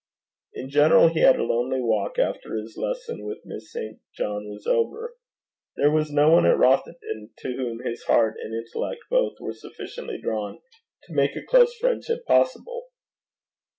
In general he had a lonely walk after his lesson with Miss St. John was over: there was no one at Rothieden to whom his heart and intellect both were sufficiently drawn to make a close friendship possible.